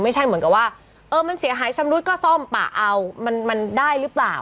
ไม่ใช่เหมือนกับว่าเออมันเสียหายชำรุดก็ซ่อมป่าเอามันได้หรือเปล่า